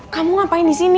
kamu ngapain di sini